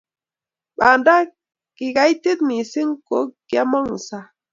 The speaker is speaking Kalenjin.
Banda kikaitit missing ko kyamangu saang